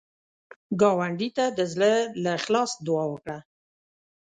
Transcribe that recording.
ګاونډي ته د زړه له اخلاص دعا وکړه